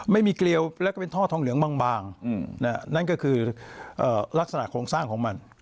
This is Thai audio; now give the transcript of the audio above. เกลียวแล้วก็เป็นท่อทองเหลืองบางนั่นก็คือลักษณะโครงสร้างของมัน